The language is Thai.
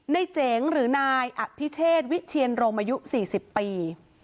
เจ๋งหรือนายอภิเชษวิเชียนรมอายุ๔๐ปี